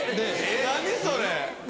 何それ！